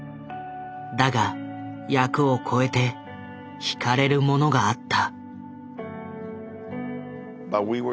だが役を超えてひかれるものがあった。